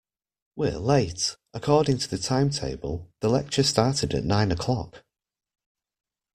We're late! According to the timetable, the lecture started at nine o'clock